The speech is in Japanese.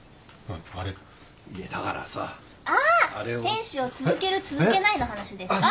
天使を続ける続けないの話ですか？